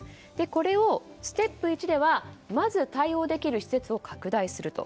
これをステップ１ではまず対応できる施設を拡大すると。